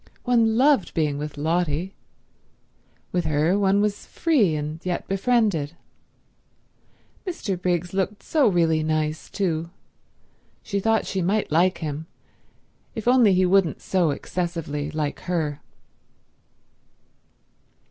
One loved being with Lotty. With her one was free, and yet befriended. Mr. Briggs looked so really nice, too. She thought she might like him if only he wouldn't so excessively like her.